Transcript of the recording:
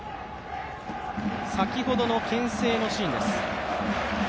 先ほどのけん制のシーンです。